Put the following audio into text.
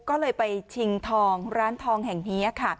ก็เลยไปชิงร้านทองแห่งเฮีย